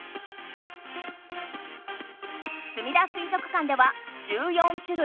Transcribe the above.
すみだ水族館では１４種類